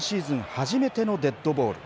初めてのデッドボール。